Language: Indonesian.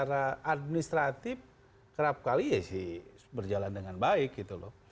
secara administratif kerap kali ya sih berjalan dengan baik gitu loh